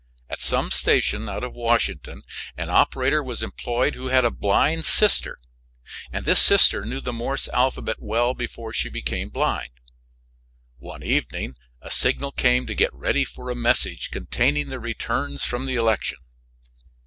At some station out of Washington an operator was employed who had a blind sister, and this sister knew the Morse alphabet well before she became blind. One evening a signal came to get ready for a message containing the returns from the election.